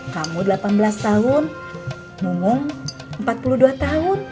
kamu delapan belas tahun mungum empat puluh dua tahun